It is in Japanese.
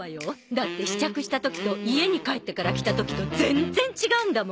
だって試着した時と家に帰ってから着た時と全然違うんだもの！